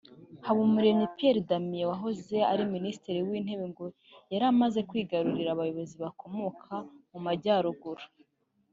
Habumuremyi Pierre Damien wahoze ari Minisitiri w’Intebe ngo yari amaze kwigarurira abayobozi bakomoka mu Majyaruguru